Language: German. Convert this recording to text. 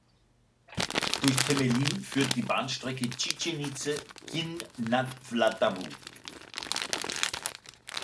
Durch Temelín führt die Bahnstrecke Číčenice–Týn nad Vltavou.